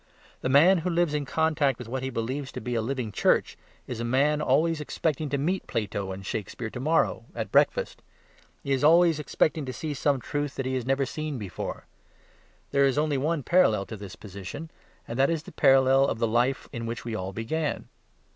The man who lives in contact with what he believes to be a living Church is a man always expecting to meet Plato and Shakespeare to morrow at breakfast. He is always expecting to see some truth that he has never seen before. There is one only other parallel to this position; and that is the parallel of the life in which we all began.